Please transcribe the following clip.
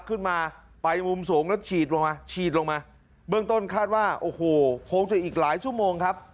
ขึ้นมาไปมุมสูงแล้วฉีดลงมาฉีดลงมาเบื้องต้นคาดว่าโอ้โหคงจะอีกหลายชั่วโมงครับ